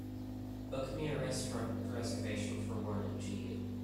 Book me a restaurant reservation for one in GU